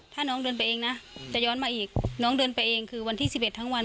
ถ้าน้องเดินไปเองนะจะย้อนมาอีกน้องเดินไปเองคือวันที่๑๑ทั้งวัน